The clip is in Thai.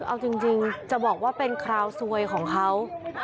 เอาจริงจะบอกว่าเป็นคราวซวยของเขา